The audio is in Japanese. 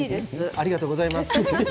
ありがとうございます。